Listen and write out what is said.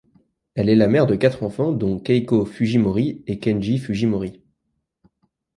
Elle est la mère de quatre enfants dont Keiko Fujimori et Kenji Fujimori.